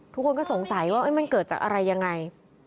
ทุกคนก็สงสัยว่ามันเกิดจากอะไรยังไง